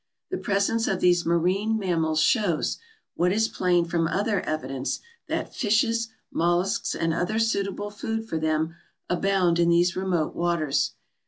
The presence of these marine mammals shows, what is plain from other evidence, that fishes, mollusks and other suitable food for them abound in those remote waters.